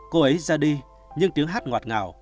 cô ấy ra đi nhưng tiếng hát ngọt ngào